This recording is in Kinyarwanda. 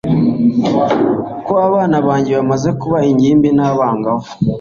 ko abana banjye bamaze kuba ingimbi n abangavu